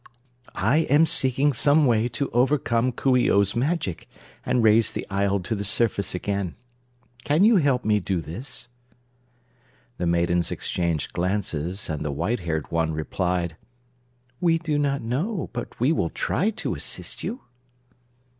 I am seeking some way to overcome Coo ee oh's magic and raise the isle to the surface again. Can you help me do this?" The maidens exchanged glances, and the white haired one replied: "We do not know; but we will try to assist you."